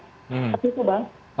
seperti itu bang